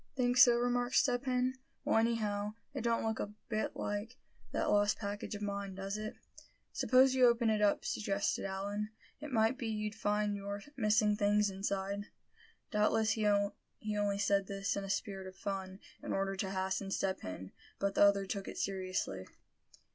"Think so?" remarked Step Hen. "Well, anyhow, it don't look a bit like that lost package of mine, does it?" "Suppose you open it up," suggested Allan; "it might be you'd find your missing things inside." Doubtless he only said this in a spirit of fun, in order to hasten Step Hen; but the other took it seriously.